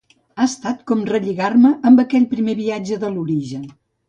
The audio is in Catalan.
Ha estat com relligar-me amb aquell primer viatge de l’origen.